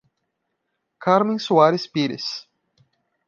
Carmem Soares Pires